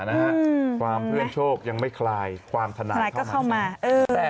อ่าความเพื่อนโชคยังไม่คลายความทนายเข้ามาแทรก